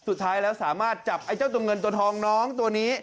สุดท้ายแล้วสามารถจับไอ้เจ้าตัวเงินตัวทองน้องตัวนี้